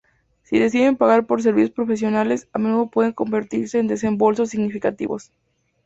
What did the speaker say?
Si deciden pagar por servicios profesionales, a menudo pueden convertirse en desembolsos significativos.